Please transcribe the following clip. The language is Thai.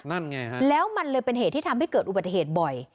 นั่นไงฮะแล้วมันเลยเป็นเหตุที่ทำให้เกิดอุบัติเหตุบ่อย